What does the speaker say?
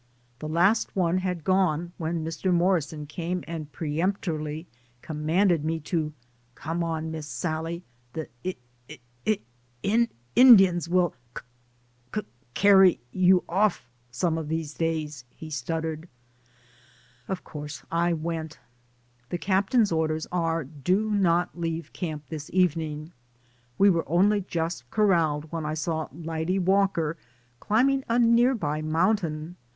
The last one had gone when Mr. Morrison came and peremptorily commanded me to "Come on. Miss Sallie. The I I I Indians will c c c carry you off some of these days," he stuttered. Of course I went. The captain's orders are, "Do not leave camp this evening." We were only just cor ralled when I saw Lyde Walker climbing a 144 DAYS ON THE ROAD. near by mountain.